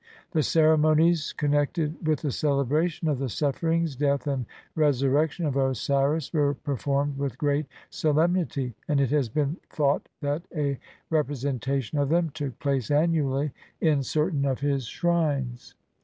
The ceremonies connected with the celebration of the sufferings, death, and resurrection of Osiris were performed with great solemnity, and it has been thought that a represen tation of them took place annually in certain of his shrines.